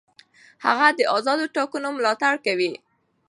هغه د آزادو ټاکنو ملاتړ کوي.